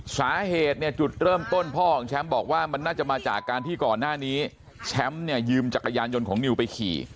สาเหตุเนี่ยจุดเริ่มต้นพ่อของแชมป์บอกว่ามันน่าจะมาจากการที่ก่อนหน้านี้แชมป์เนี่ยยืมจักรยานยนต์ของนิวไปขี่